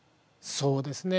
そうですね。